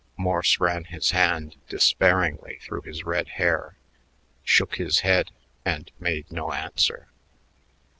Morse ran his hand despairingly through his red hair, shook his head, and made no answer.